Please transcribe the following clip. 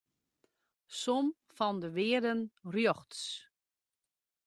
Som fan de wearden rjochts.